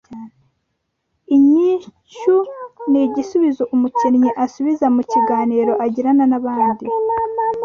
Inyishyu: Ni igisubizo umukinnyi asubiza mu kiganiro agirana n’abandi